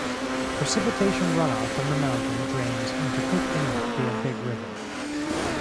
Precipitation runoff from the mountain drains into Cook Inlet via Big River.